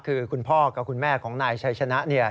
คือคุณพ่อกับคุณแม่ของนายชัยชนะ